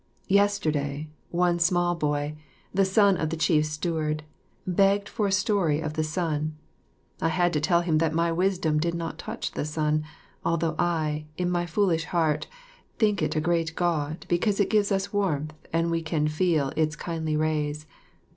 Yesterday, one small boy, the son of the chief steward, begged for a story of the sun. I had to tell him that my wisdom did not touch the sun, although I, in my foolish heart, think it a great God because it gives us warmth and we can feel its kindly rays.